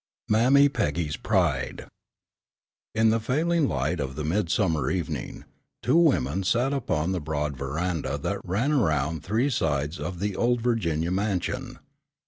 MAMMY PEGGY'S PRIDE In the failing light of the midsummer evening, two women sat upon the broad veranda that ran round three sides of the old Virginia mansion.